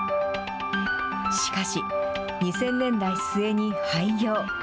しかし、２０００年代末に廃業。